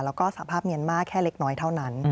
แล้วก็สภาพเมียนมาร์แค่เล็กน้อยเท่านั้น